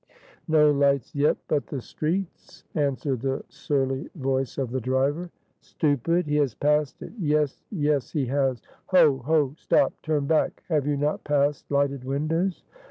"No lights yet but the street's," answered the surly voice of the driver. "Stupid! he has passed it yes, yes he has! Ho! ho! stop; turn back. Have you not passed lighted windows?"